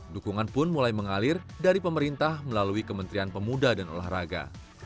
dukungan pun mulai mengalir dari pemerintah melalui kementerian pemuda dan olahraga